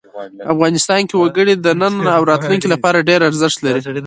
افغانستان کې وګړي د نن او راتلونکي لپاره ډېر ارزښت لري.